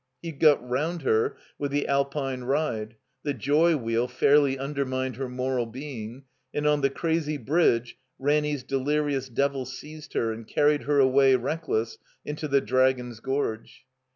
He got rotmd her with the Alpine Ride; the Joy Wheel fairly undermined her moral being; and on the Crazy Bridge Ranny's delirious devil seized her and carried her away, reckless, into the Dragon's Grorge.